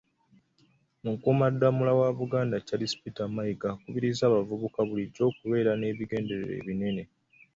Mukuumaddamula wa Buganda, Charles Peter Mayiga, akubirizza abavubuka bulijjo okubeera n'ebigendererwa ebinene.